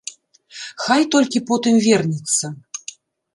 Хай толькі потым вернецца.